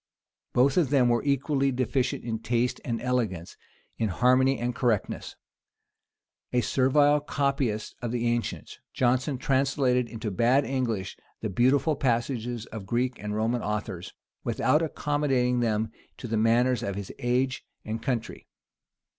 Both of them were equally deficient in taste and elegance, in harmony and correctness. A servile copyist of the ancients, Jonson translated into bad English the beautiful passages of the Greek and Roman authors, without accommodating them to the manners of his age and country.